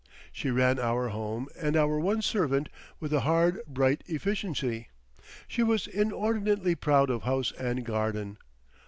She ran our home and our one servant with a hard, bright efficiency. She was inordinately proud of house and garden.